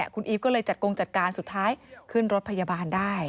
คุณอีฟก็เลยจัดกงจัดการสุดท้ายขึ้นรถพยาบาลได้